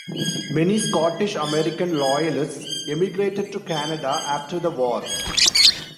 Many Scottish American Loyalists emigrated to Canada after the war.